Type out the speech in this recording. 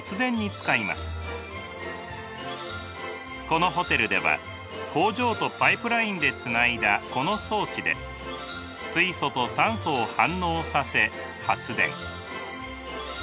このホテルでは工場とパイプラインでつないだこの装置で水素と酸素を反応させ発電。